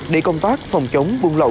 để công tác phòng chống buôn lộ